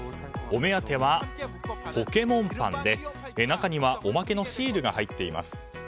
お目当てはポケモンパンで中にはおまけのシールが入っています。